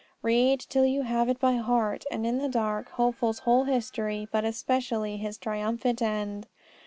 Read, till you have it by heart and in the dark, Hopeful's whole history, but especially his triumphant end.